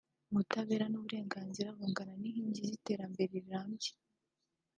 ubutabera n’uburenganzira bungana nk’inkingi z’iterambere rirambye